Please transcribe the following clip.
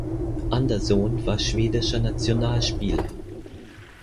Andersson war schwedischer Nationalspieler.